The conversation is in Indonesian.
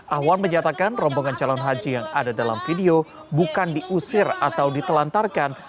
ahwan menyatakan rombongan calon haji yang ada dalam video bukan diusir atau ditelantarkan